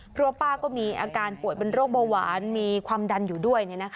เพราะว่าป้าก็มีอาการป่วยเป็นโรคเบาหวานมีความดันอยู่ด้วย